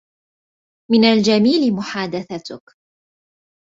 من الجميل محادثتك.